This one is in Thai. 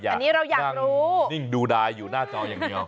อยากนั่งดูดายอยู่หน้าจออย่างนี้